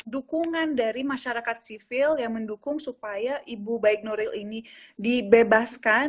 dukungan dari masyarakat sivil yang mendukung supaya ibu baik nuril ini dibebaskan